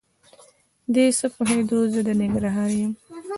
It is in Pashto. دی څه پوهېده زه د ننګرهار یم؟!